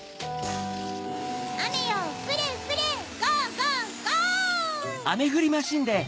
アメよふれふれゴーゴーゴー！